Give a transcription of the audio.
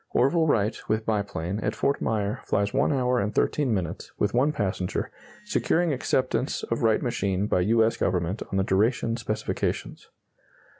July 27, 1909 Orville Wright, with biplane, at Fort Myer, flies 1 hour and 13 minutes, with one passenger, securing acceptance of Wright machine by U. S. Government on the duration specifications.